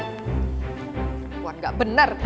perempuan gak benar